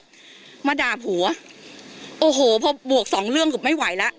มาด่าผัวโอ้โหพอบวกสองเรื่องเกือบไม่ไหวแล้ว